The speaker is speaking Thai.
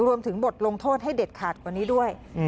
รวมถึงบทลงโทษให้เด็ดขาดกว่านี้ด้วย